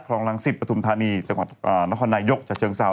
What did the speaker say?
จังหวัดณ์ฮอร์นท์นายยกจากเชิงเซา